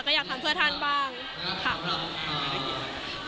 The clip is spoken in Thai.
ก็อยากทำเพื่อท่านบ้างค่ะ